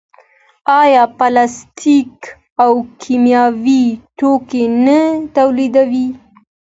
آیا پلاستیک او کیمیاوي توکي نه تولیدوي؟